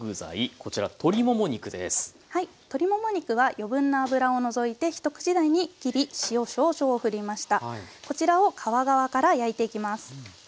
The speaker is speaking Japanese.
こちらを皮側から焼いていきます。